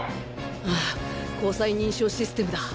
ああ虹彩認証システムだ！